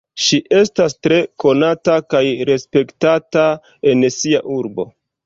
Ŝi estas tre konata kaj respektata en sia urbo.